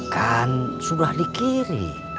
kan sudah dikiri